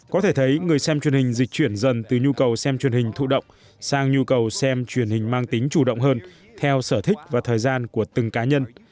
có thể thấy người xem truyền hình dịch chuyển dần từ nhu cầu xem truyền hình thụ động sang nhu cầu xem truyền hình mang tính chủ động hơn theo sở thích và thời gian của từng cá nhân